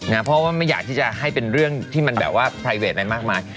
เพราะว่าไม่อยากที่จะให้เป็นเรื่องที่มันแบบว่าไพรเวทอะไรมากมาย